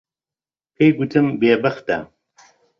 پێی گوتم بێبەختە.